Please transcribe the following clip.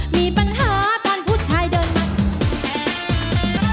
มีปัญหาตอนผู้ชายเดินมา